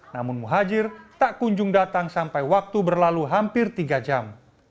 namun muhajir tak kunjung datang sampai waktu berlalu hampir tiga jam